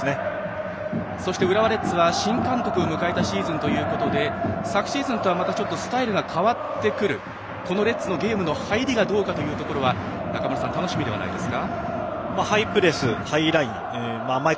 そして浦和レッズは新監督を迎えたシーズンということでまた昨シーズンとはスタイルが変わってくるこのレッズのゲームの入りがどうかというところは中村さん、楽しみではないですか。